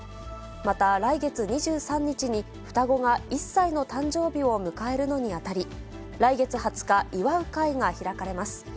また来月２３日に、双子が１歳の誕生日を迎えるのにあたり、来月２０日、祝う会が開かれます。